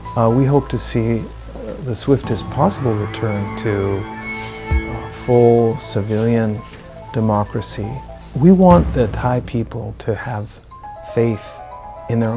ในไทรัตนิวโชว์๑๙นาฬิกา๑๕นาที